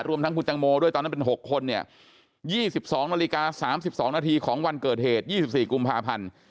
รวมทั้งคุณตังโมด้วยตอนนั้นเป็น๖คนเนี่ย๒๒นาฬิกา๓๒นาทีของวันเกิดเหตุ๒๔กุมภาพันธ์